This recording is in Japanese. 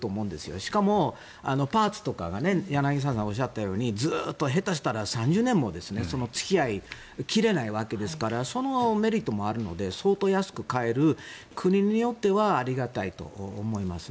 しかも、パーツとかが柳澤さんがおっしゃったようにずっと下手したら３０年もその付き合いが切れないわけですからそのメリットもあるので相当安く買える国によってはありがたいと思いますね。